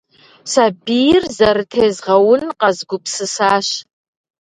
Сабийр зэрытезгъэун къэзгупсысащ.